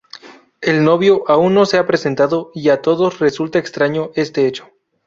El novio aún no se ha presentado, y a todos resulta extraño este hecho.